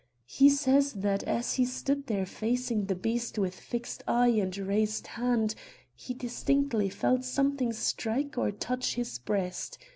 He says that as he stood there facing the beast with fixed eye and raised hand, he distinctly felt something strike or touch his breast.